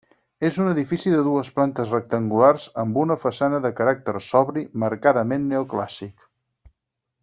És un edifici de dues plantes rectangulars amb una façana de caràcter sobri marcadament neoclàssic.